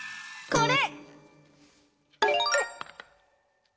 これ！